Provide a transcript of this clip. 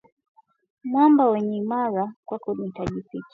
Mwamba wenye imara, kwako nitajificha.